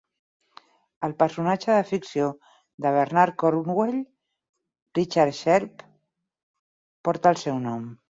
El personatge de ficció de Bernard Cornwell, Richard Sharpe, porta el seu nom.